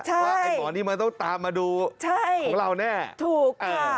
ว่าไอ้หมอนี่มันต้องตามมาดูของเราแน่ะใช่ถูกค่ะ